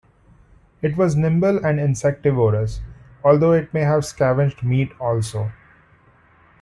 It was nimble and insectivorous, although it may have scavenged meat also.